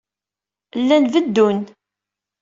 Llan beddun.